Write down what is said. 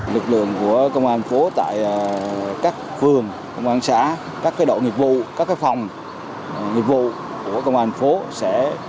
lực lượng của công an phố tại các phương công an xã các cái đội nghiệp vụ các cái phòng nghiệp vụ của công an phố sẽ